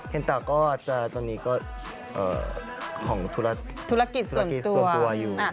เคนตาก็อาจจะตอนนี้ก็ถูกถูกรักษาส่วนตัวอยู่